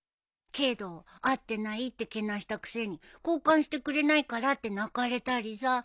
けど「合ってない」ってけなしたくせに「交換してくれないから」って泣かれたりさ。